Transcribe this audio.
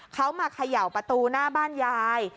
เขามาเขย่าประตูหน้าบ้านยาย